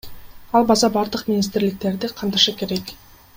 Ал база бардык министрликтерди камтышы керек.